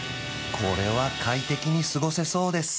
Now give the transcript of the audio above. これは快適に過ごせそうです